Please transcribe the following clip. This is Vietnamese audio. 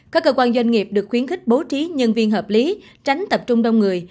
các cơ quan doanh nghiệp được khuyến khích bố trí nhân viên hợp lý tránh tập trung đông người